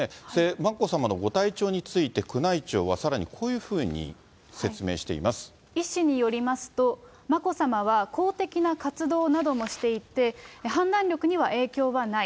眞子さまのご体調について、宮内庁はさらに、こういうふうに説明医師によりますと、眞子さまは公的な活動などもしていて、判断力には影響はない。